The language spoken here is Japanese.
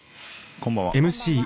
こんばんは。